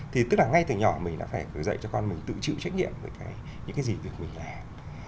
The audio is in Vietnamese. thì tức là ngay từ nhỏ mình đã phải gửi dạy cho con mình tự chịu trách nhiệm với những cái gì việc mình làm